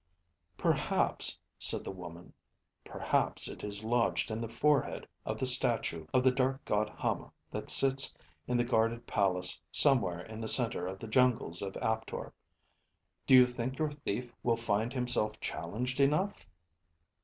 "Perhaps," said the woman, "perhaps it is lodged in the forehead of the statue of the dark god Hama that sits in the guarded palace somewhere in the center of the jungles of Aptor. Do you think your thief will find himself challenged enough?"